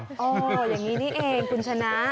อย่างนี้นี่เองคุณชนะ